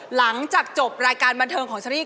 หลังจากจบรายการบันเทิงของเชอรี่